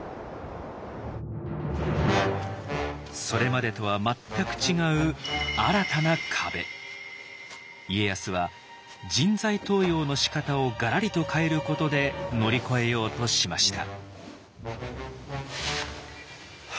それまでとは全く違う家康は人材登用のしかたをがらりと変えることで乗り越えようとしました。